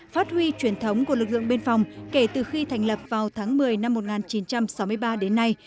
phát huy truyền thống của lực lượng biên phòng kể từ khi thành lập vào tháng một mươi năm một nghìn chín trăm sáu mươi ba đến nay